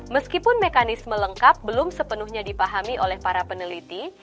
meskipun mekanisme lengkap belum sepenuhnya dipahami oleh para peneliti